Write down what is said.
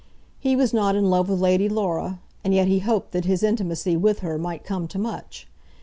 He was not in love with Lady Laura, and yet he hoped that his intimacy with her might come to much.